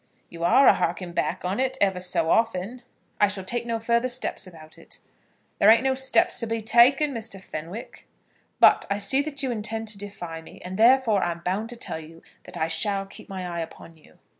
"You are a harking back on it, ever so often." "I shall take no further steps about it." "There ain't no steps to be taken, Mr. Fenwick." "But I see that you intend to defy me, and therefore I am bound to tell you that I shall keep my eye upon you."